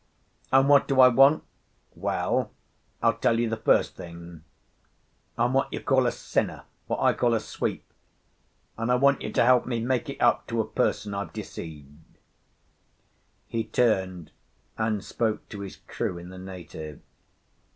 And what do I want? Well, I'll tell you the first thing. I'm what you call a sinner—what I call a sweep—and I want you to help me make it up to a person I've deceived." He turned and spoke to his crew in the native.